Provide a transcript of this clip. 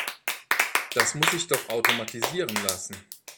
Das muss sich doch automatisieren lassen.